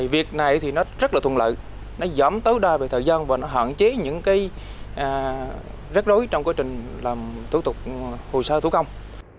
việc này thì nó rất là thuận lợi nó giảm tối đa về thời gian và nó hạn chế những cái rết rối trong quá trình làm thủ tục hồ sơ thủ công